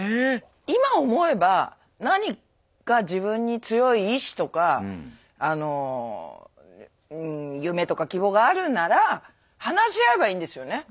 今思えば何か自分に強い意志とかあの夢とか希望があるなら話し合えばいいんですよね。